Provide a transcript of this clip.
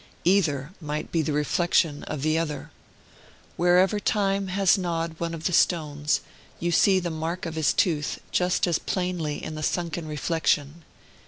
Either might be the reflection of the other. Wherever Time has gnawed one of the stones, you see the mark of his tooth just as plainly in the sunken reflection.